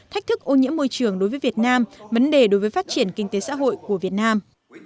thách thức ô nhiễm môi trường đối với việt nam vấn đề đối với phát triển kinh tế xã hội của việt nam